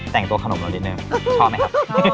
แต่งตัวขนมเรานิดนึงชอบมั้ยครับ